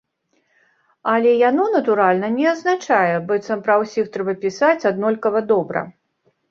Але яно, натуральна, не азначае, быццам пра ўсіх трэба пісаць аднолькава добра.